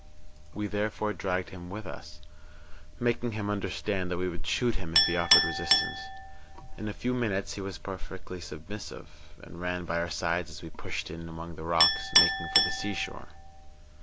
We therefore dragged him with us, making him understand that we would shoot him if he offered resistance. In a few minutes he was perfectly submissive, and ran by our sides as we pushed in among the rocks, making for the seashore.